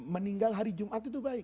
meninggal hari jumat itu baik